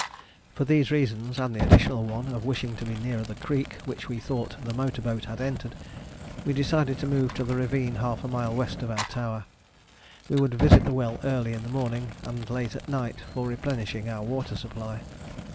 For these reasons, and the additional one of wishing to be nearer the creek which we thought the motor boat had entered, we decided to move to the ravine half a mile west of our tower. We would visit the well early in the morning and late at night for replenishing our water supply.